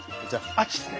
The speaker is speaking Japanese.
あっちっすね。